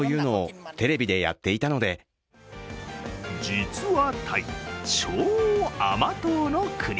実はタイ、超甘党の国。